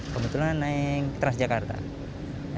kebetulan naik transjakarta